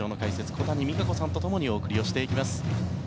小谷実可子さんと共にお送りしていきます。